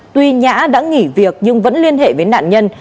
tuy nhã đã nghỉ việc nhưng vẫn liên hệ với nạn nhân